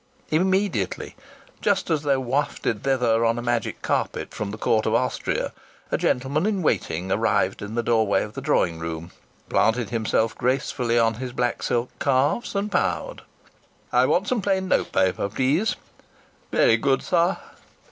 Immediately, just as though wafted thither on a magic carpet from the Court of Austria, a gentleman in waiting arrived in the doorway of the drawing room, planted himself gracefully on his black silk calves, and bowed. "I want some plain note paper, please." "Very good, sir."